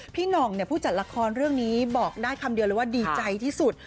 หน่องผู้จัดละครเรื่องนี้บอกได้คำเดียวเลยว่าดีใจที่สุด